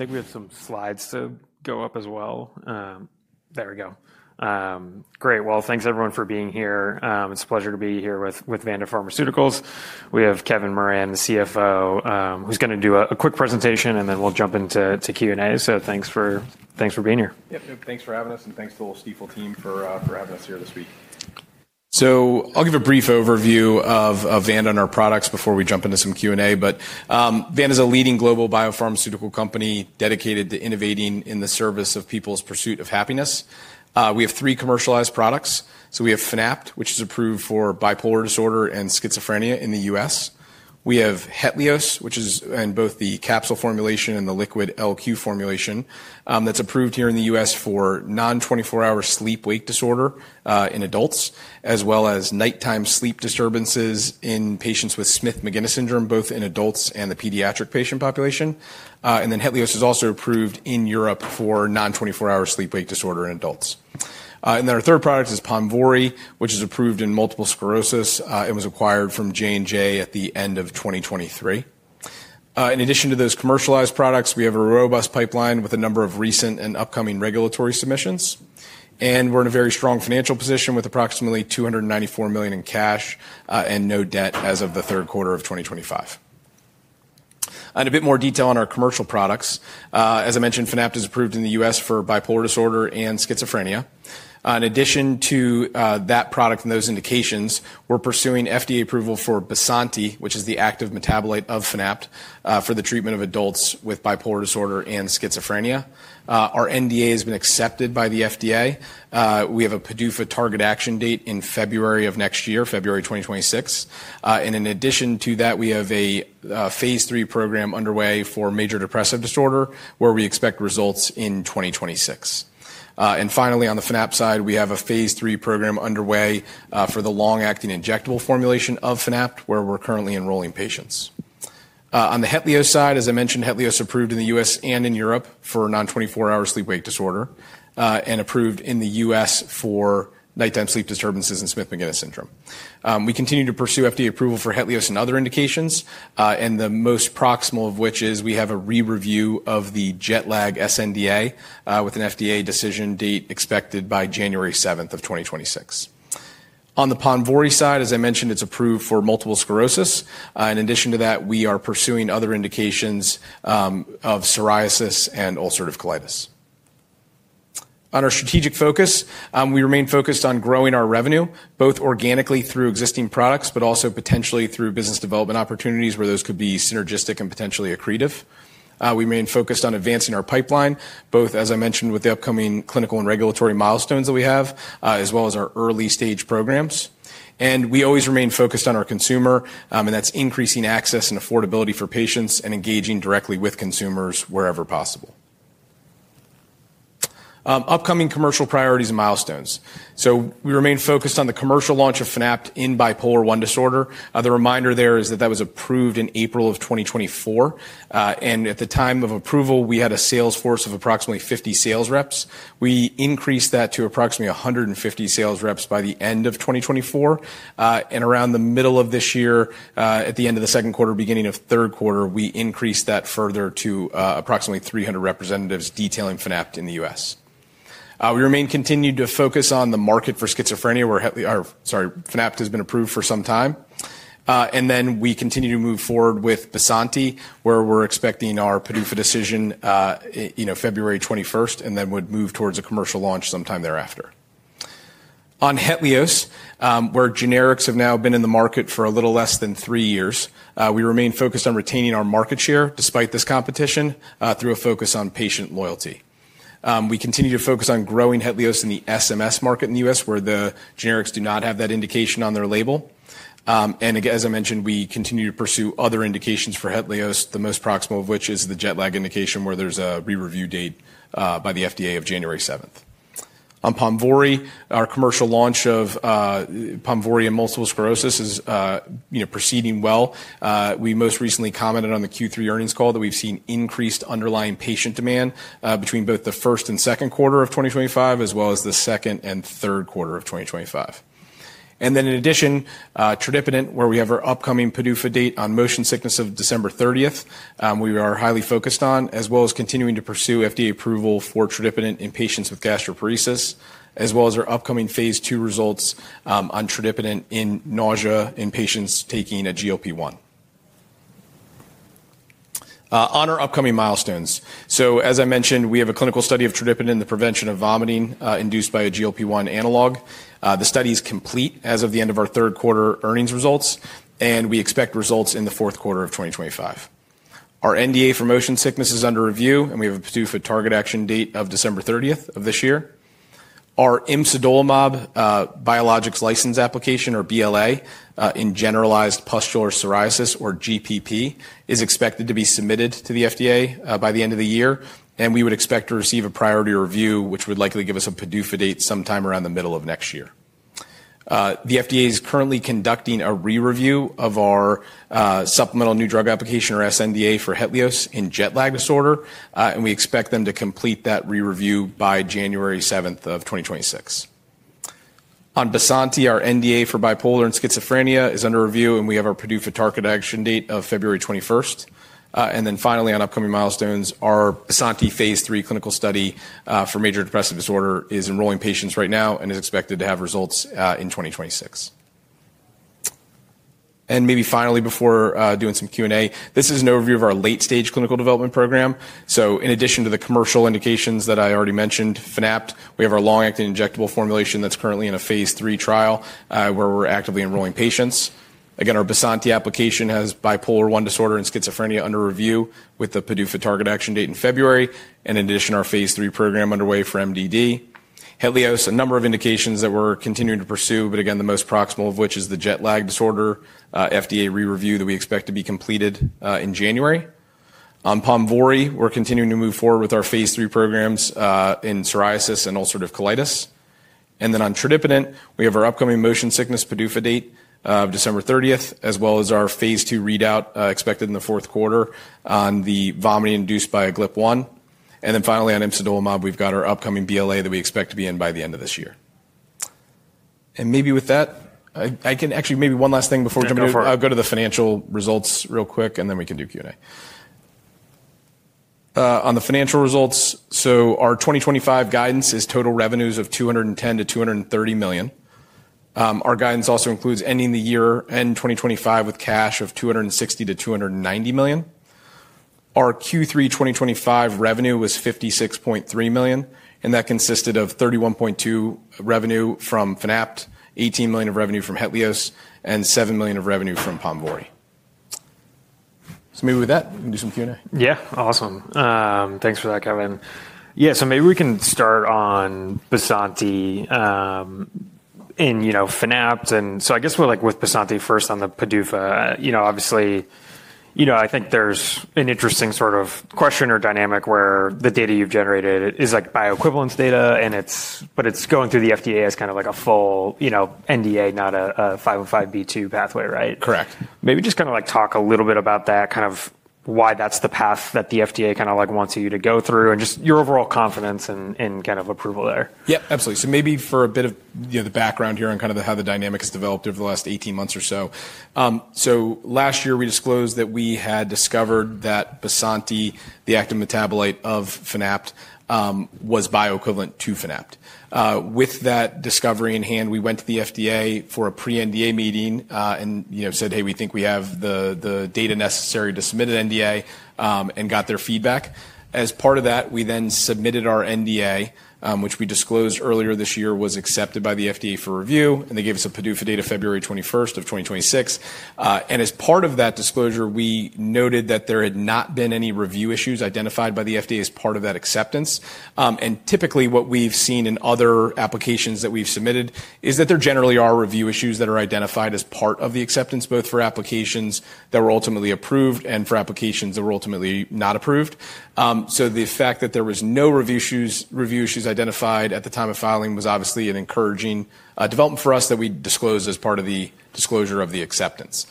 I think we have some slides to go up as well. There we go. Great. Thanks everyone for being here. It is a pleasure to be here with Vanda Pharmaceuticals. We have Kevin Moran, the CFO, who is going to do a quick presentation and then we will jump into Q and A. Thanks for being here Thanks for having us, and thanks to the Stifel team for having us here this week. I'll give a brief overview of Vanda and our products before we jump into some Q and A, but Vanda is a leading global biopharmaceutical company dedicated to innovating in the service of people's pursuit of happiness. We have three commercialized products. We have Fanapt, which is approved for bipolar disorder and schizophrenia in the U.S. We have Hetlioz, which is in both the capsule formulation and the liquid LQ formulation that's approved here in the U.S. for non-24-hour sleep-wake disorder in adults, as well as nighttime sleep disturbances in patients with Smith-Magenis Syndrome, both in adults and the pediatric patient population. Hetlioz is also approved in Europe for non-24-hour sleep-wake disorder in adults. Our third product is Ponvory, which is approved in multiple sclerosis and was acquired from Johnson & Johnson at the end of 2023. In addition to those commercialized products, we have a robust pipeline with a number of recent and upcoming regulatory submissions and we are in a very strong financial position with approximately $294 million in cash and no debt as of the third quarter of 2025. In a bit more detail on our commercial products, as I mentioned, Fanapt is approved in the U.S. for bipolar disorder and schizophrenia. In addition to that product and those indications, we are pursuing FDA approval for Basanti, which is the active metabolite of Fanapt for the treatment of adults with bipolar disorder and schizophrenia. Our NDA has been accepted by the FDA. We have a PDUFA target action date in February of next year, February 2026. In addition to that, we have a phase three program underway for major depressive disorder where we expect results in 2026. Finally, on the Fanapt side, we have a phase three program underway for the long-acting injectable formulation of Fanapt, where we're currently enrolling patients. On the Hetlioz side, as I mentioned, Hetlioz is approved in the U.S. and in Europe for non-24-hour sleep-wake disorder and approved in the U.S. for nighttime sleep disturbances in Smith-Magenis syndrome. We continue to pursue FDA approval for Hetlioz in other indications, the most proximal of which is we have a re-review of the jet lag SNDA with an FDA decision date expected by January 7, 2026. On the Ponvory side, as I mentioned, it's approved for multiple sclerosis. In addition to that, we are pursuing other indications of psoriasis and ulcerative colitis. On our strategic focus, we remain focused on growing our revenue both organically through existing products, but also potentially through business development opportunities where those could be synergistic and potentially accretive. We remain focused on advancing our pipeline, both as I mentioned, with the upcoming clinical and regulatory milestones that we have as well as our early stage programs. We always remain focused on our consumer and that is increasing access and affordability for patients and engaging directly with consumers wherever possible. Upcoming commercial priorities and milestones, we remain focused on the commercial launch of Fanapt in bipolar I disorder. The reminder there is that that was approved in April of 2024 and at the time of approval we had a sales force of approximately 50 sales reps. We increased that to approximately 150 sales reps by the end of 2024 and around the middle of this year, at the end of the second quarter, beginning of third quarter, we increased that further to approximately 300 representatives detailing Fanapt in the U.S. We remain continued to focus on the market for schizophrenia where, sorry, Fanapt has been approved for some time and then we continue to move forward with Basanti where we're expecting our PDUFA decision, you know, February 21 and then would move towards a commercial launch sometime thereafter. On Hetlioz, where generics have now been in the market for a little less than three years. We remain focused on retaining our market share despite this competition through a focus on patient loyalty. We continue to focus on growing Hetlioz in the SMS market in the U.S. where the generics do not have that indication on their label. As I mentioned, we continue to pursue other indications for Hetlioz, the most proximal of which is the jet lag indication where there is a re-review date by the FDA of January 7. On Ponvory, our commercial launch of Ponvory in multiple sclerosis is proceeding well. We most recently commented on the Q3 earnings call that we have seen increased underlying patient demand between both the first and second quarter of 2025 as well as the second and third quarter of 2025, and then in addition, tradipitant where we have our upcoming PDUFA date on motion sickness of December 30. We are highly focused on as well as continuing to pursue FDA approval for tradipitant in patients with gastroparesis as well as our upcoming phase 2 results on tradipitant in nausea in patients taking a GLP-1 on our upcoming milestones. As I mentioned, we have a clinical study of tradipitant in the prevention of vomiting induced by a GLP-1 analog. The study is complete as of the end of our third quarter earnings results and we expect results in the fourth quarter of 2025. Our NDA for motion sickness is under review and we have a PDUFA target action date of December 30th of this year. Our Imsidolumab Biologics License Application or BLA in Generalized Pustular Psoriasis or GPP is expected to be submitted to the FDA by the end of the year and we would expect to receive a priority review which would likely give us a PDUFA date sometime around the middle of next year. The FDA is currently conducting a re-review of our Supplemental New Drug Application or SNDA for Hetlioz in jet lag disorder and we expect them to complete that re-review by January 7th of 2026. On Basanti, our NDA for bipolar and schizophrenia is under review and we have our PDUFA action date of February 21st. Finally, on upcoming milestones, our Basanti phase 3 clinical study for major depressive disorder is enrolling patients right now and is expected to have results in 2026. Maybe finally before doing some Q and A, this is an overview of our late stage clinical development program. In addition to the commercial indications that I already mentioned, Fanapt, we have our long-acting injectable formulation that's currently in a phase three trial where we're actively enrolling patients. Again, our Basanti application has bipolar I disorder and schizophrenia under review with the PDUFA target action date in February, and in addition, our phase three program underway for MDD, a number of indications that we're continuing to pursue, but again the most proximal of which is the jet lag disorder FDA re-review that we expect to be completed in January. On Ponvory, we're continuing to move forward with our phase three programs in psoriasis and ulcerative colitis and then on tradipitant we have our upcoming motion sickness PDUFA date of December 30 as well as our phase 2 readout expected in the fourth quarter on the vomiting induced by a GLP-1. Finally, on Imsidolumab, we've got our upcoming BLA that we expect to be in by the end of this year. Maybe with that I can actually—maybe one last thing before jumping. I'll go to the financial results real quick and then we can do Q and A on the financial results. Our 2025 guidance is total revenues of $210 million-$230 million. Our guidance also includes ending the year end 2025 with cash of $260 million-$290 million. Our Q3 2025 revenue was $56.3 million. consisted of $31.2 million of revenue from Fanapt, $18 million of revenue from Hetlioz, and $7 million of revenue from Ponvory. Maybe with that we can do. Some Q and A. Yeah, awesome. Thanks for that, Kevin. Yeah, so maybe we can start on Basanti in, you know, Fanapt. And so I guess we're like with Basanti first on the PDUFA, you know, obviously, you know, I think there's an interesting sort of question or dynamic where the data you've generated is like bioequivalence data and it's. But it's going through the FDA as kind of like a full, you know, NDA, not a 505B2 pathway. Right, correct. Maybe just kind of like talk a little bit about that, kind of why that's the path that the FDA kind of like wants you to go through and just your overall confidence and kind of approval there's. Yeah, absolutely. Maybe for a bit of the background here on kind of how the dynamic has developed over the last 18 months or so. Last year we disclosed that we had discovered that Basanti, the active metabolite of Fanapt, was bioequivalent to Fanapt. With that discovery in hand, we went to the FDA for a pre-NDA meeting and said, hey, we think we have the data necessary to submit an NDA and got their feedback. As part of that, we then submitted our NDA, which we disclosed earlier this year was accepted by the FDA for review and they gave us a PDUFA date of February 21, 2026. As part of that disclosure, we noted that there had not been any review issues identified by the FDA as part of that acceptance. Typically what we've seen in other applications that we've submitted is that there generally are review issues that are identified as part of the acceptance both for applications that were ultimately approved and for applications that were ultimately not approved. The fact that there were no review issues identified at the time of filing was obviously an encouraging development for us that we disclose as part of the disclosure of the acceptance.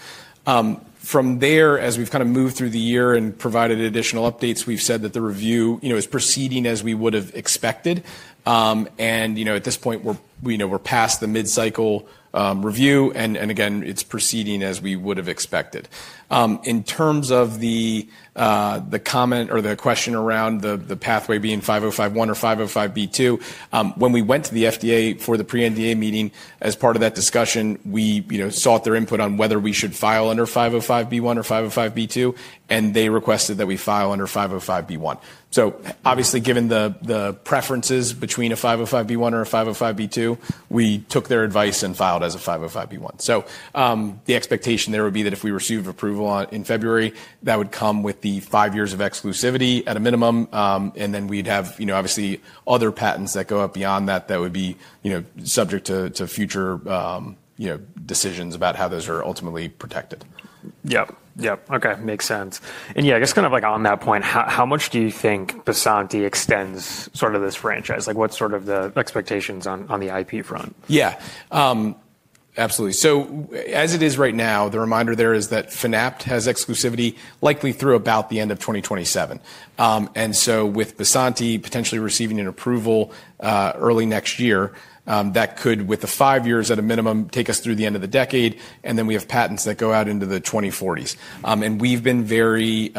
From there, as we've kind of moved through the year and provided additional updates, we've said that the review, you know, is proceeding as we would have expected. You know, at this point we know we're past the mid cycle review and again, it's proceeding as we would have expected. In terms of the comment or the question around the pathway being 505,1 or 505. When we went to the FDA for the pre-NDA meeting as part of that discussion, we sought their input on whether we should file under 505(b)(1) or 505(b)(2), and they requested that we file under 505(b)(2). Obviously, given the preferences between a 505(b)(1) or a 505(b)(2), we took their advice and filed as a 505(b)(2). The expectation there would be that if we received approval in February, that would come with the five years of exclusivity at a minimum, and then we'd have other patents that go up beyond that that would be subject to future decisions about how those are ultimately protected. Yep, yep. Okay, makes sense. Yeah, I guess kind of like on that point, how much do you think Basanti extends sort of this franchise? Like, what's sort of the expectations on the IP front? Yeah, absolutely. As it is right now, the reminder there is that Fanapt has exclusivity likely through about the end of 2027. With Basanti potentially receiving an approval early next year, that could, with the five years at a minimum, take us through the end of the decade. We have patents that go out into the 2040s. We have been very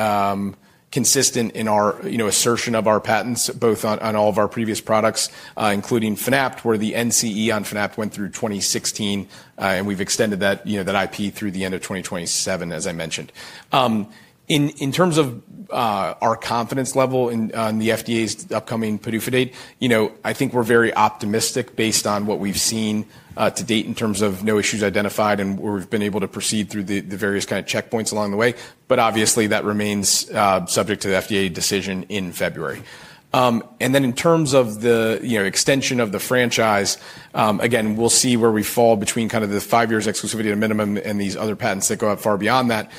consistent in our assertion of our patents both on all of our previous products, including Fanapt, where the NCE on Fanapt went through 2016. We have extended that, you know, that IP through the end of 2027, as I mentioned, in terms of our confidence level in the FDA's upcoming PDUFA date. You know, I think we're very optimistic based on what we've seen to date in terms of no issues identified and where we've been able to proceed through the various kind of checkpoints along the way. Obviously that remains subject to the FDA decision in February. In terms of the extension of the franchise, again, we'll see where we fall between kind of the five years exclusivity at a minimum, and other patents that go up far beyond that.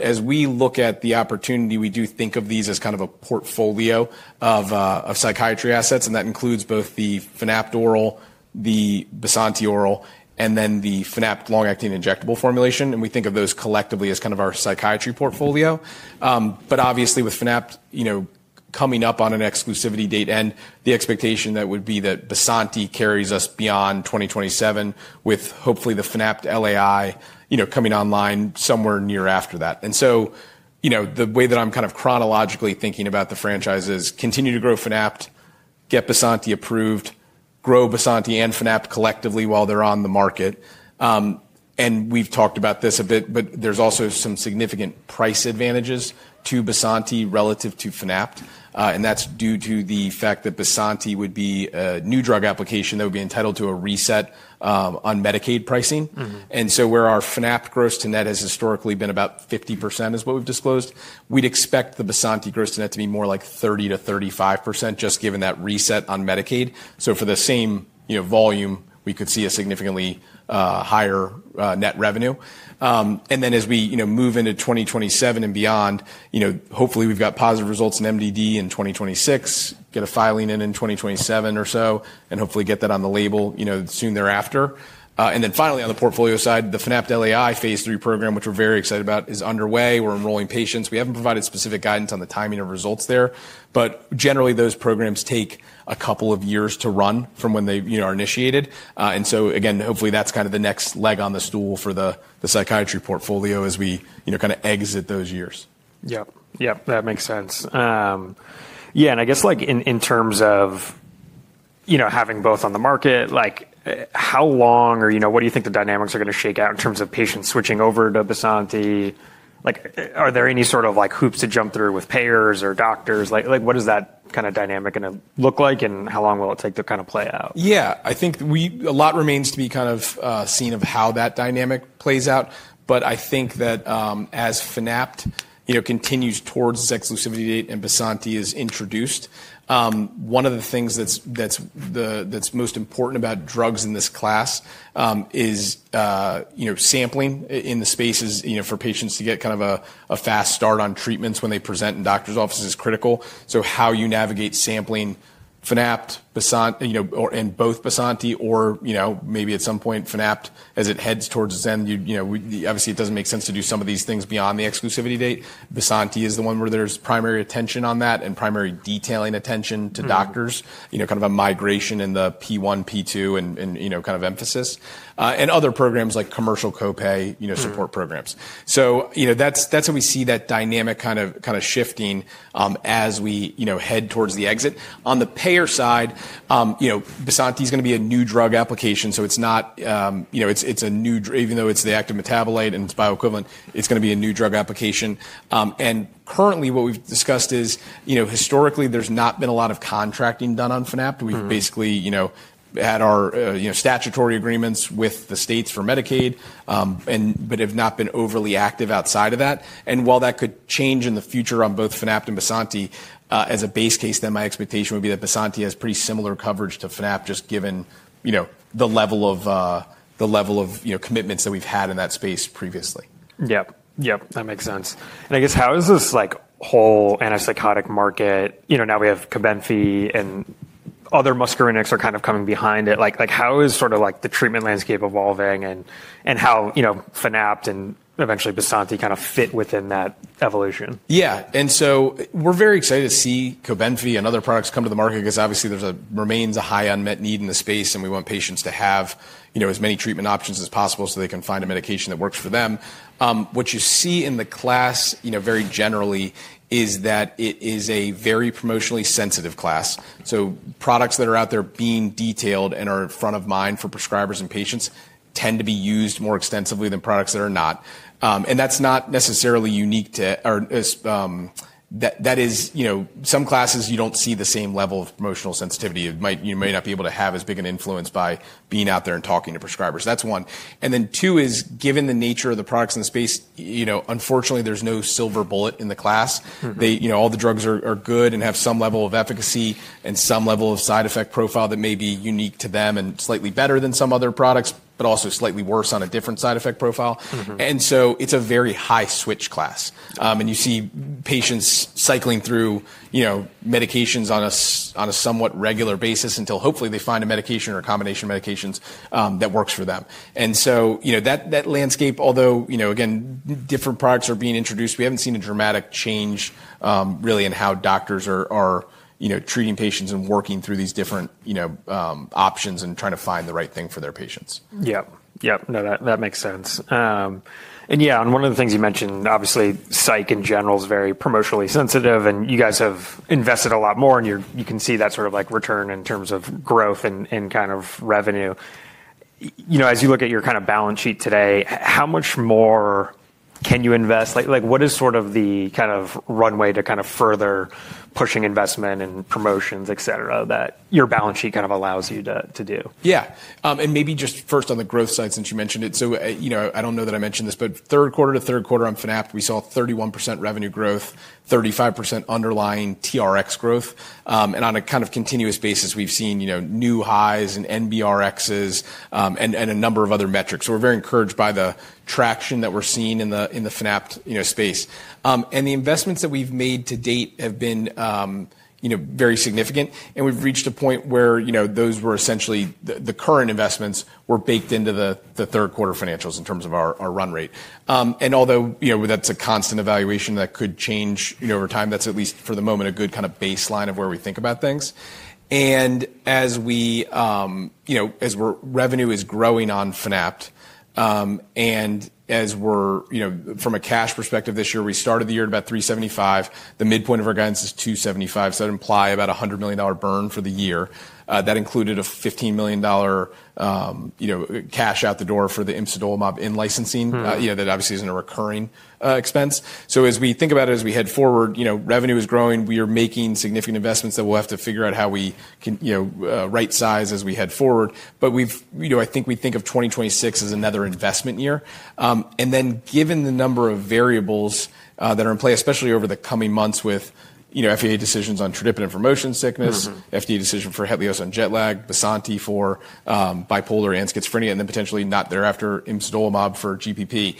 As we look at the opportunity, we do think of these as kind of a portfolio of psychiatry assets. That includes both the Fanapt oral, the Basanti oral, and then the Fanapt long-acting injectable formulation. We think of those collectively as kind of our psychiatry portfolio. Obviously with Fanapt, you know, coming up on an exclusivity date and the expectation that would be that Basanti carries us beyond 2027, we with hopefully the Fanapt LAI coming online somewhere near after that. The way that I'm kind of chronologically thinking about the franchise is continue to grow Fanapt, get Basanti approved, grow Basanti and Fanapt collectively while they're on the market. We've talked about this a bit, but there's also some significant price advantages to Basanti relative to Fanapt. That's due to the fact that Basanti would be a new drug application that would be entitled to a reset on Medicaid pricing. Where our Fanapt gross to net has historically been about 50% is what we've disclosed. We'd expect the Basanti gross to net to be more like 30-35% just given that reset on Medicaid. For the same volume, we could see a significantly higher net revenue. As we move into 2027 and beyond, hopefully we've got positive results in MDD in 2026, get a filing in in 2027 or so, and hopefully get that on the label soon thereafter. Finally, on the portfolio side, the Fanapt LAI phase 3 program, which we're very excited about, is underway. We're enrolling patients. We haven't provided specific guidance on the timing of results there, but generally those programs take a couple of years to run from when they are initiated. Again, hopefully, that's kind of the next leg on the stool for the psychiatry portfolio as we kind of exit those years. Yeah. Yep, that makes sense. Yeah. I guess, like, in terms of, you know, having both on the market, like, how long or, you know, what do you think the dynamics are going to shake out in terms of patients switching over to Basanti? Like, are there any sort of, like, hoops to jump through with payers or doctors? Like, what is that kind of dynamic going to look like and how long will it take to kind of play out? Yeah, I think we a lot remains to be kind of seen of how that dynamic plays out. I think that as Fanapt, you know, continues towards its exclusivity date and Basanti is introduced. One of the things that's most important about drugs in this class is sampling in the spaces for patients to get kind of a fast start on treatments when they present in doctor's offices is critical. How you navigate sampling and both Basanti or maybe at some point Fanapt as it heads towards its end, obviously it doesn't make sense to do some of these things beyond the exclusivity date. Basanti is the one where there's primary attention on that and primary detailing attention to doctors, you know, kind of a migration in the P1, P2 and you know, kind of emphasis and other programs like commercial co pay, you know, support programs. You know, that's how we see that dynamic kind of shifting as we, you know, head towards the exit on the payer side. You know, Basanti is going to be a new drug application. It's a new, even though it's the active metabolite and it's bioequivalent, it's going to be a new drug application. Currently what we've discussed is, you know, historically there's not been a lot of contracting done on Fanapt. We've basically had our statutory agreements with the states for Medicaid and have not been overly active outside of that. While that could change in the future on both Fanapt and Basanti, as a base case, my expectation would be that Basanti has pretty similar coverage to Fanapt. Just given, you know, the level of commitments that we've had in that space previously. Yep, yep, that makes sense. I guess how is this whole antipsychotic market, you know, now we have Kobenphy and other muscarinics are kind of coming behind it, like how is sort of the treatment landscape evolving and how you know, Fanapt and eventually Basanti kind of fit within that evolution. Yeah. We are very excited to see Cobenphy and other products come to the market because obviously there remains a high unmet need in the space and we want patients to have, you know, as many treatment options as possible so they can find a medication that works for them. What you see in the class, you know, very generally is that it is a very promotionally sensitive class. Products that are out there being detailed and are front of mind for prescribers and patients tend to be used more extensively than products that are not. That is not necessarily unique to, you know, some classes. You do not see the same level of promotional sensitivity. You may not be able to have as big an influence by being out there and talking to prescribers. That's one, and then two is given the nature of the products in the space. You know, unfortunately there's no silver bullet in the class. They, you know, all the drugs are good and have some level of efficacy and some level of side effect profile that may be unique to them and slightly better than some other products, but also slightly worse on a different side effect profile. It is a very high switch class. You see patients cycling through medications on a somewhat regular basis until hopefully they find a medication or a combination of medications that works for them. You know, that landscape, although, you know, again, different products are being introduced, we haven't seen a dramatic change really in how doctors are, you know, treating patients and working through these different, you know, options and trying to find the right thing for their patients. Yep, yep. No, that makes sense. Yeah, and one of the things you mentioned, obviously Psych in general is very promotionally sensitive and you guys have invested a lot more and you can see that sort of like return in terms of growth and kind of revenue. You know, as you look at your kind of balance sheet today, how much more can you invest? Like what is sort of the kind of runway to kind of further pushing investment and promotions, etc. that your balance sheet kind of allows you to do. Yeah, and maybe just first on the growth side since you mentioned it. You know, I do not know that I mentioned this, but third quarter to third quarter on Fanapt we saw 31% revenue growth, 35% underlying TRX growth. On a kind of continuous basis we have seen, you know, new highs in NBRXS and a number of other metrics. We are very encouraged by the traction that we are seeing in the, in the Fanapt space. The investments that we have made to date have been very significant. We have reached a point where, you know, those were essentially the current investments were baked into the third quarter financials in terms of our run rate. Although, you know, that is a constant evaluation that could change over time. That is, at least for the moment, a good kind of baseline of where we think about things. As we, you know, as revenue is growing on Fanapt and as we're, you know, from a cash perspective, this year, we started the year at about $375 million. The midpoint of our guidance is $275 million, so imply about $100 million burn for the year. That included a $15 million, you know, cash out the door for the in-licensing. You know, that obviously isn't a recurring expense. As we think about it, as we head forward, you know, revenue is growing, we are making significant investments that we'll have to figure out how we can, you know, right size as we head forward. We've, you know, I think we think of 2026 as another investment year. Given the number of variables that are in play, especially over the coming months with, you know, FDA decisions on tradipitant for motion sickness, FDA decision for Hetlioz on jet lag, Basanti for bipolar and schizophrenia, and then potentially not thereafter, Imsidolimab for GPP,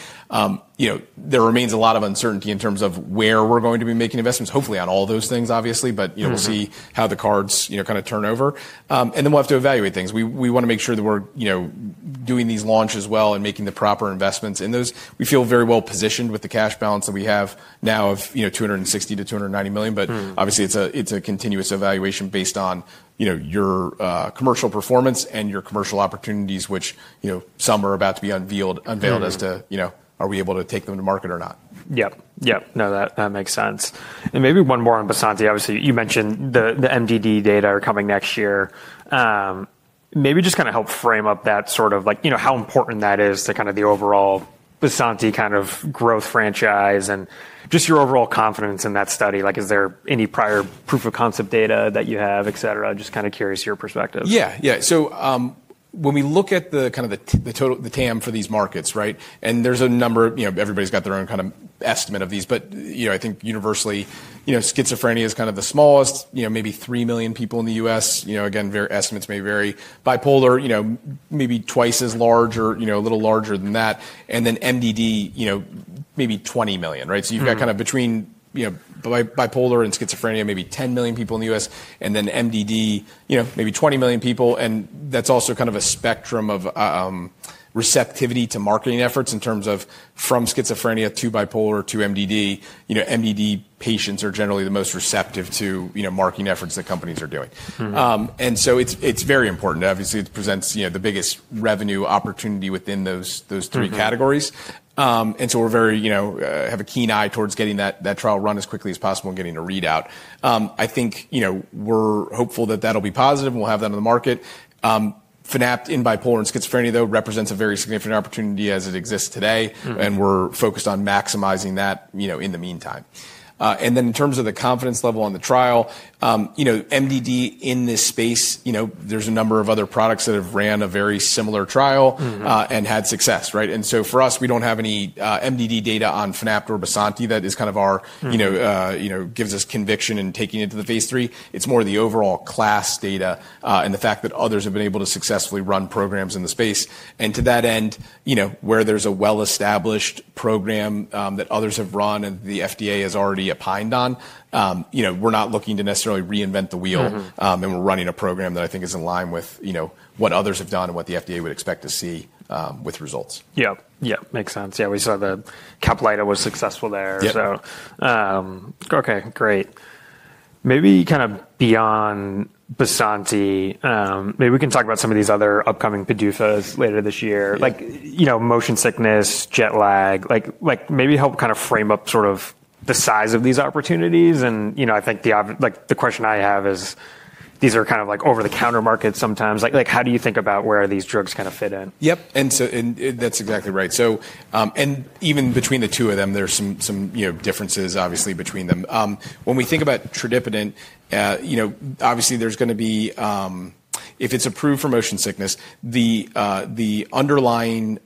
you know, there remains a lot of uncertainty in terms of where we're going to be making investments, hopefully on all those things, obviously. You know, we'll see how the cards kind of turn over and then we'll have to evaluate things. We want to make sure that we're doing these launches well and making the proper investments in those. We feel very well positioned with the cash balance that we have now of $260 million-$290 million. Obviously it's a continuous evaluation based on your commercial performance and your commercial opportunities, which some are about to be unveiled as to are we able to take them to market or not? Yeah, yeah, no, that makes sense. Maybe one more on Basanti. Obviously, you mentioned the MDD data are coming next year. Maybe just kind of help frame up that sort of like, you know, how important that is to kind of the overall Basanti kind of growth franchise and just your overall confidence in that study. Like, is there any prior proof of concept data that you have, etc. Just kind of curious, your perspective. Yeah, yeah. When we look at the kind of the, the total, the TAM for these markets, right. And there's a number, you know, everybody's got their own kind of estimate of these. But, you know, I think universally, you know, schizophrenia is kind of the smallest, you know, maybe 3 million people in the U.S. you know, again, very. Estimates may vary. Bipolar, you know, maybe twice as large or, you know, a little larger than that and then MDD, you know, maybe 20 million. Right. You have kind of between, you know, bipolar and schizophrenia, maybe 10 million people in the U.S. and then MDD, you know, maybe 20 million people. And that's also kind of a spectrum of receptivity to marketing efforts in terms of from schizophrenia to bipolar to MDD. You know, MDD patients are generally the most receptive to, you know, marketing efforts that companies are doing. It is very important. Obviously it presents, you know, the biggest revenue opportunity within those three categories. We are very, you know, have a keen eye towards getting that trial run as quickly as possible and getting a readout. I think, you know, we are hopeful that that will be positive, we will have that in the market. Fanapt in bipolar and schizophrenia, though, represents a very significant opportunity as it exists today. We are focused on maximizing that in the meantime. In terms of the confidence level on the trial, you know, MDD in this space, you know, there are a number of other products that have run a very similar trial and had success. Right. For us, we don't have any MDD data on Fanapt or Basanti. That is kind of our, you know, you know, gives us conviction in taking it to the phase three. It's more the overall class data and the fact that others have been able to successfully run programs in the space. To that end, you know, where there's a well established program that others have run and the FDA has already opined on, you know, we're not looking to necessarily reinvent the wheel and we're running a program that I think is in line with, you know, what others have done and what the FDA would expect to see with results. Yeah, yeah, makes sense. Yeah, we saw that Capillida was successful there. Okay, great. Maybe kind of beyond Basanti, maybe we can talk about some of these other upcoming PDUFAs later this year, like, you know, motion sickness, jet lag, maybe help kind of frame up sort of the size of these opportunities. And you know, I think the, like, the question I have is these are kind of like over-the-counter markets sometimes. Like, how do you think about where these drugs kind of fit in? Yep, and so that's exactly right. Even between the two of them, there's some differences obviously between them. When we think about Trudipitant, you know, obviously there's going to be, if it's approved for motion sickness, the underlying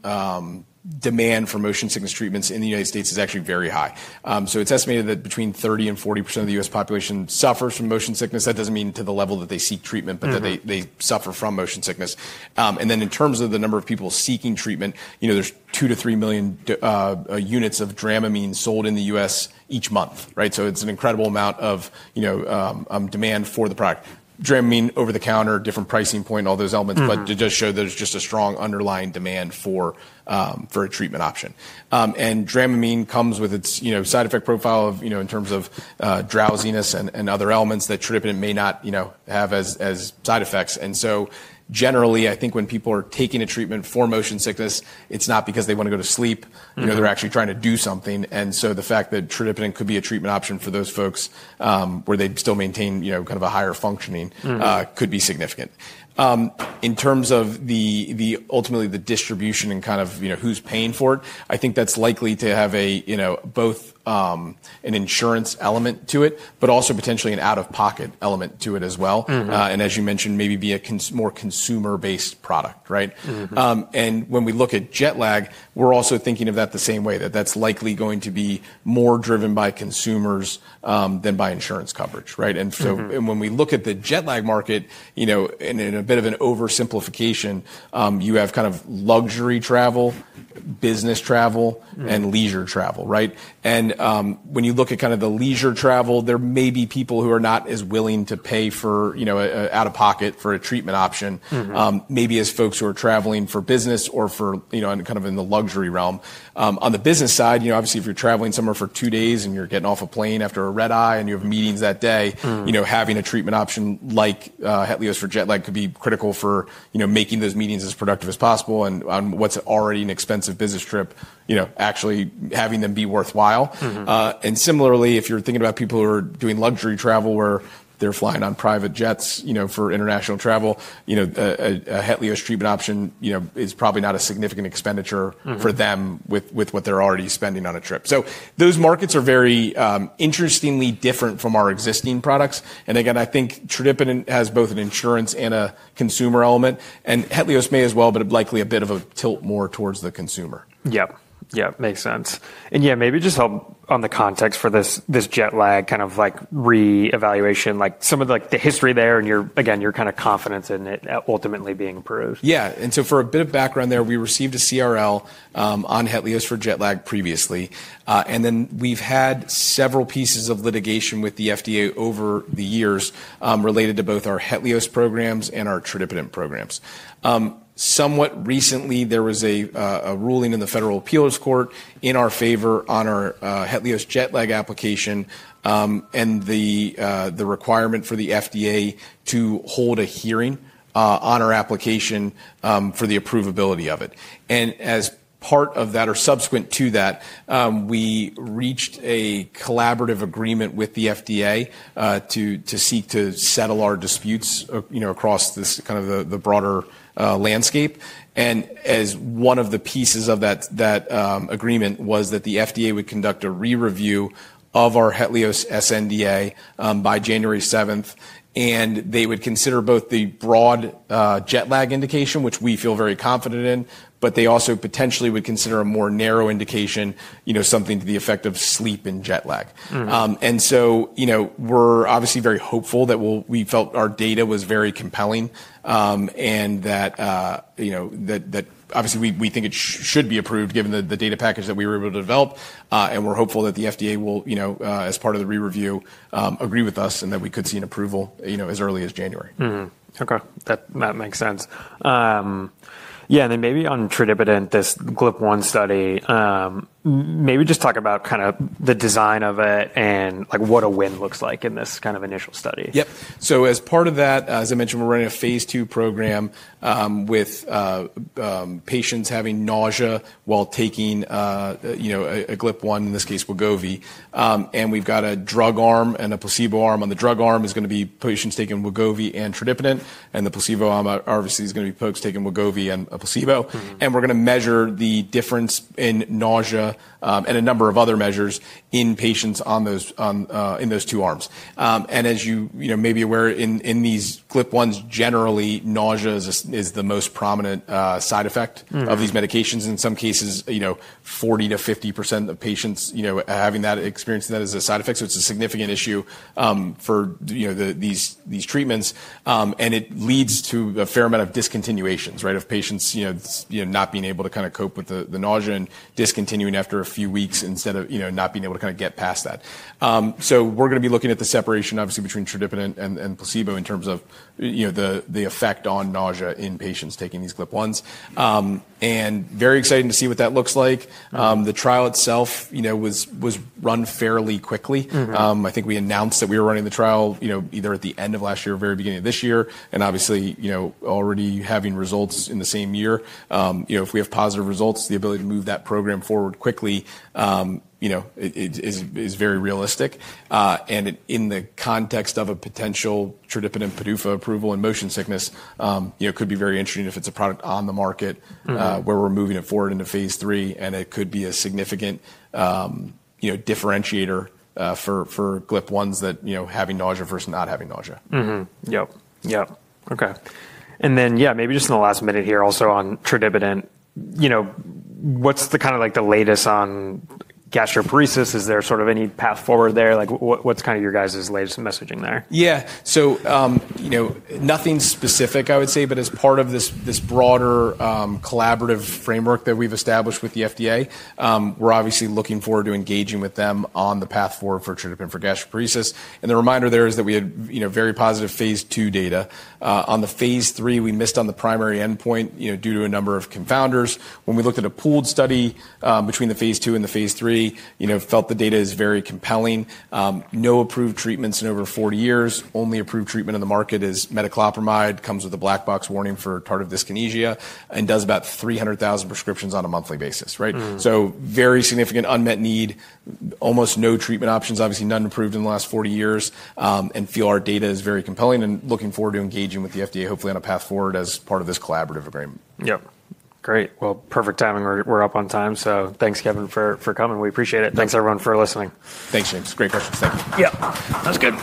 demand for motion sickness treatments in the U.S. is actually very high. It's estimated that between 30% and 40% of the U.S. population suffers from motion sickness. That doesn't mean to the level that they seek treatment, but that they suffer from motion sickness. In terms of the number of people seeking treatment, you know, there's 2-3 million units of Dramamine sold in the U.S. each month. Right. It's an incredible amount of, you know, demand for the product Dramamine over the counter, different pricing point, all those elements, but to just show there's just a strong underlying demand for, for a treatment option. And Dramamine comes with its, you know, side effect profile of, you know, in terms of drowsiness and other elements that tradipitant may not, you know, have as side effects. Generally, I think when people are taking a treatment for motion sickness, it's not because they want to go to sleep, you know, they're actually trying to do something. The fact that tradipitant could be a treatment option for those folks where they still maintain, you know, kind of a higher functioning could be significant in terms of the, ultimately the distribution and kind of, you know, who's paying for it. I think that's likely to have a, you know, both an insurance element to it, but also potentially an out of pocket element to it as well. As you mentioned, maybe be a more consumer based product. Right. When we look at jet lag, we're also thinking of that the same way that that's likely going to be more driven by consumers than by insurance coverage. Right. When we look at the jet lag market, you know, in a bit of an oversimplification, you have kind of luxury travel, business travel and leisure travel. Right. When you look at kind of the leisure travel, there may be people who are not as willing to pay for, you know, out of pocket for a treatment option. Maybe as folks who are traveling for business or, you know, kind of in the luxury realm. On the business side, you know, obviously if you're traveling somewhere for two days and you're getting off a plane after a red eye and you have meetings that day, you know, having a treatment option like Hetlioz for jet lag could be critical for, you know, making those meetings as productive as possible in what's already an expensive business trip, you know, actually having them be worthwhile. Similarly, if you're thinking about people who are doing luxury travel where they're flying on private jets, you know, for international travel, you know, a Hetlioz treatment option, you know, is probably not a significant expenditure for them with what they're already spending on a trip. Those markets are very interestingly different from our existing products. Again, I think tradipitant has both an insurance and a consumer element. Hetlioz may as well, but likely a bit of a tilt more towards the consumer. Yep, yep, makes sense. Yeah, maybe just on the context for this, this jet lag kind of like re-evaluation, like some of the history there, and again, your kind of confidence in it ultimately being approved. Yeah. And for a bit of background there, we received a CRL on Hetlioz for jet lag previously and then we've had several pieces of litigation with the FDA over the years related to both our Hetlioz programs and our Trudipitant programs. Somewhat recently there was a ruling in the federal appeals court in our favor on our Hetlioz jet lag application and the requirement for the FDA to hold a hearing on our application for the approvability of it. As part of that or subsequent to that, we reached a collaborative agreement with the FDA to seek to settle our disputes, you know, across this kind of the broader landscape. As one of the pieces of that, that agreement was that the FDA would conduct a re-review of our Hetlioz SNDA by January 7. They would consider both the broad jet lag indication, which we feel very confident in, but they also potentially would consider a more narrow indication, you know, something to the effect of sleep and jet lag. You know, we're obviously very hopeful that we felt our data was very compelling and that, you know, that obviously we think it should be approved given the data package that we were able to develop. We're hopeful that the FDA will, you know, as part of the re-review, agree with us and that we could see an approval as early as January. Okay, that makes sense. Yeah. And then maybe on tradipitant, this GLP-1 study, maybe just talk about kind of the design of it and like what a win looks like in this kind of initial study. Yep. As part of that, as I mentioned, we're running a phase two program with patients having nausea while taking, you know, a GLP-1, in this case Wegovy, and we've got a drug arm and a placebo arm. On the drug arm is going to be patients taking Wegovy and tradipitant, and the placebo arm obviously is going to be folks taking Wegovy and a placebo, and we're going to measure the difference in nausea and a number of other measures in patients in those two arms. As you may be aware, in these GLP-1s, generally, nausea is the most prominent side effect of these medications. In some cases, 40-50% of patients have that experience, that is a side effect. It's a significant issue for these treatments and it leads to a fair amount of discontinuations of patients not being able to cope with the nausea and discontinuing after a few weeks instead of not being able to get past that. We're going to be looking at the separation obviously between tradipitant and placebo in terms of the effect on nausea in patients taking these GLP-1s and very exciting to see what that looks like. The trial itself was run fairly quickly. I think we announced that we were running the trial either at the end of last year or very beginning of this year and obviously already having results in the same year. If we have positive results, the ability to move that program forward quickly is very realistic. In the context of a potential tradipitant and PDUFA approval in motion sickness, it could be very interesting if it's a product on the market where we're moving it forward into phase three. It could be a significant differentiator for GLP-1s that having nausea versus not having nausea. Yep, yep. Okay. And then yeah, maybe just in the last minute here also on tradipitant, you know, what's the kind of like the latest on gastroparesis? Is there sort of any path forward there? Like what's kind of your guys' latest messaging there? Yeah, so, you know, nothing specific, I would say, but as part of this broader collaborative framework that we've established with the FDA, we're obviously looking forward to engaging with them on the path forward for tradipitant for gastroparesis. The reminder there is that we had very positive phase two data. On the phase three, we missed on the primary endpoint due to a number of confounders. When we looked at a pooled study between the phase two and the phase three, felt the data is very compelling. No approved treatments in over 40 years. Only approved treatment in the market is metoclopramide. Comes with a black box warning for tardive dyskinesia and does about 300,000 prescriptions on a monthly basis. Right. Very significant unmet need. Almost no treatment options, obviously none approved in the last 40 years. We feel our data is very compelling and looking forward to engaging with the FDA hopefully on a path forward as part of this collaborative agreement. Yep. Great. Perfect timing. We're up on time, so thanks, Kevin, for coming. We appreciate it. Thanks, everyone, for listening. Thanks, James. Great question. Thank you. Yeah, that was good.